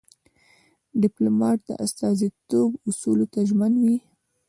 ډيپلومات د استازیتوب اصولو ته ژمن وي.